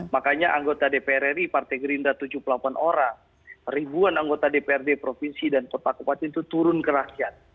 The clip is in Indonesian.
makanya anggota dpr ri partai gerindra tujuh puluh delapan orang ribuan anggota dprd provinsi dan kota kepat itu turun ke rakyat